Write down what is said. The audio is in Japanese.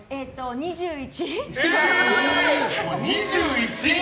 ２１！？